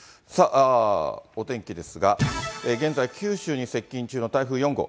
お天気ですが、現在、九州に接近中の台風４号。